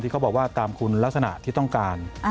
เขาบอกว่าตามคุณลักษณะที่ต้องการ